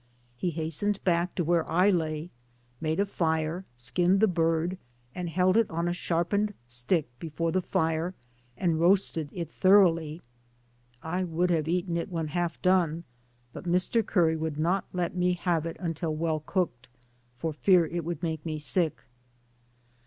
He hastened back to where I lay, made a fire, skinned the bird, and held it on a sharpened stick before the fire and roasted it thorough ly. I would have eaten it when half done, but Mr. Curry would not let me have it until DAYS ON THE ROAD. 225 well cooked, for fear it would make me sick.